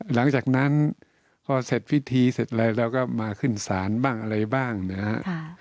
หลังจากนั้นพอเสร็จพิธีเสร็จอะไรเราก็มาขึ้นศาลบ้างอะไรบ้างนะครับ